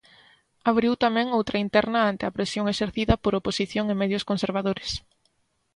Abriu tamén outra interna ante a presión exercida por oposición e medios conservadores.